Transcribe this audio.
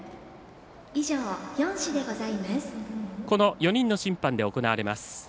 ４人の審判で行われます。